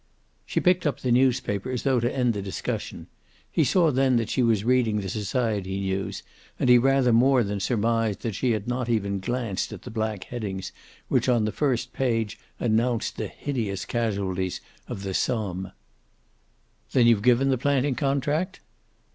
She picked up the newspaper as though to end the discussion. He saw then that she was reading the society news, and he rather more than surmised that she had not even glanced at the black headings which on the first page announced the hideous casualties of the Somme. "Then you've given the planting contract?"